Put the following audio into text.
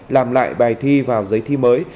làm lại bài thi vào giấy thi mới